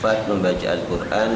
biasanya tanpa membaca al quran